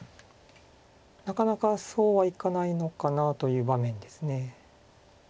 なかなかそうはいかないのかなという場面です。